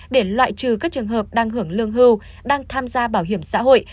để loại trừ các trường hợp đang hưởng lương hưu đang tham gia bảo hiểm xã hội